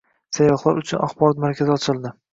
Sayyohlar uchun axborot markazi ochildi